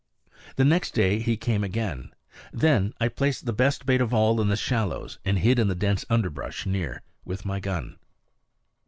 The next day he came again. Then I placed the best bait of all in the shallows, and hid in the dense underbrush near, with my gun.